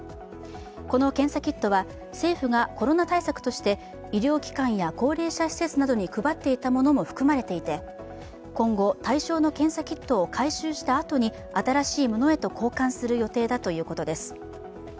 この検査キットは政府がコロナ対策として医療機関や高齢者施設などに配っていたものも含まれていて、今後、対象の検査キットを回収したあとに新しいものへと交換する予定だということです。